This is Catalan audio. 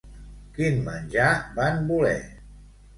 Quin menjar van voler?